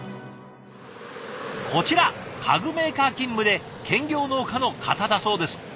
こちら家具メーカー勤務で兼業農家の方だそうです。